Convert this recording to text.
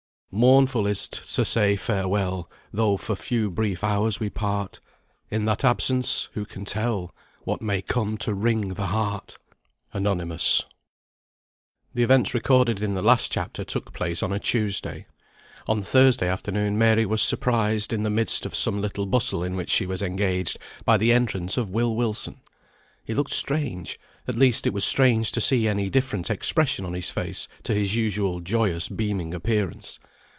"Mournful is't to say Farewell, Though for few brief hours we part; In that absence, who can tell What may come to wring the heart!" ANONYMOUS. The events recorded in the last chapter took place on a Tuesday. On Thursday afternoon Mary was surprised, in the midst of some little bustle in which she was engaged, by the entrance of Will Wilson. He looked strange, at least it was strange to see any different expression on his face to his usual joyous beaming appearance.